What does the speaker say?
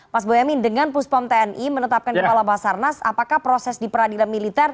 mas boyamin dengan puspon tni menetapkan kepala basarnas apakah proses diperadilan militer